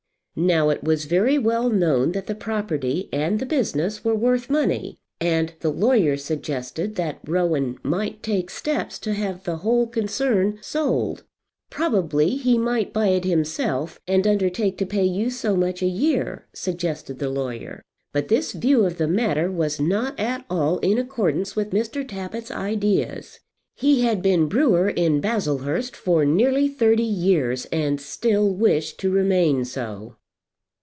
Now it was very well known that the property and the business were worth money, and the lawyer suggested that Rowan might take steps to have the whole concern sold. "Probably he might buy it himself and undertake to pay you so much a year," suggested the lawyer. But this view of the matter was not at all in accordance with Mr. Tappitt's ideas. He had been brewer in Baslehurst for nearly thirty years, and still wished to remain so.